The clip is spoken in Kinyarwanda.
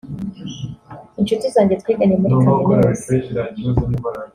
Inshuti yanjye twiganye muri Kaminuza